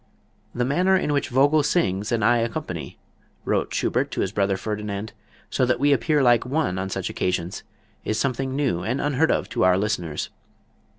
"The manner in which Vogl sings and I accompany," wrote Schubert to his brother Ferdinand, "so that we appear like one on such occasions, is something new and unheard of to our listeners."